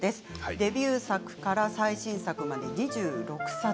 デビューしてから最新作まで２６冊。